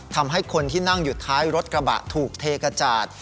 ทำให้คนที่นั่งอยู่ท้ายรถกระบะถูกเทกระจาด